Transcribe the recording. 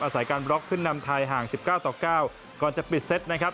อาศัยการบล็อกขึ้นนำไทยห่างสิบเก้าต่อเก้าก่อนจะปิดเซตนะครับ